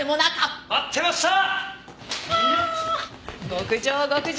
極上極上！